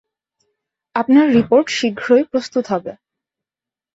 আপনার রিপোর্ট শীঘ্রই প্রস্তুত হবে।